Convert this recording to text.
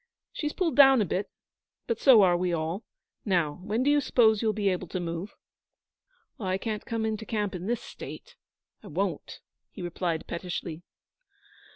She's pulled down a bit, but so are we all. Now, when do you suppose you'll be able to move?' 'I can't come into camp in this state. I won't,' he replied pettishly.